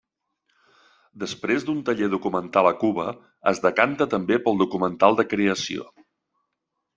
Després d'un taller documental a Cuba es decanta també pel documental de creació.